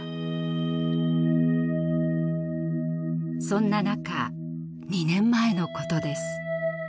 そんな中２年前のことです。